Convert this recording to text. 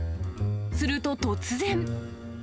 すると突然。